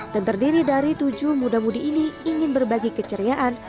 dan terdiri dari tujuh muda mudi ini ingin berbagi keceriaan